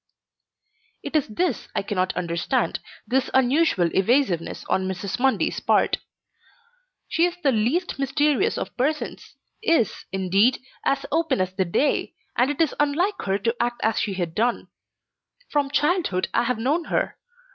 It is this I cannot understand, this unusual evasiveness on Mrs. Mundy's part. She is the least mysterious of persons, is, indeed, as open as the day, and it is unlike her to act as she has done. From childhood I have known her.